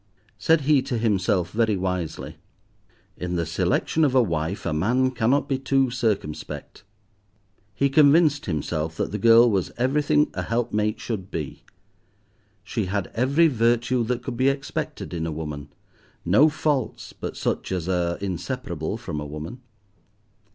Said he to himself, very wisely, "In the selection of a wife a man cannot be too circumspect." He convinced himself that the girl was everything a helpmate should be. She had every virtue that could be expected in a woman, no faults, but such as are inseparable from a woman.